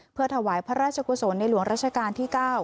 เพื่อถวายพระราชกุศลในหลวงราชการที่๙